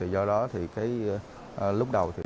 do đó lúc đầu